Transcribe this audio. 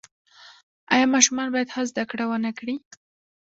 آیا ماشومان باید ښه زده کړه ونکړي؟